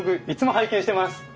いつも拝見してます！